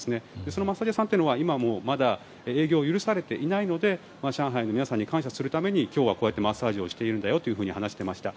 そのマッサージ屋さんは今もまだ営業を許されていないので上海の皆さんに感謝するために今日はこうしてマッサージしているんだと話していました。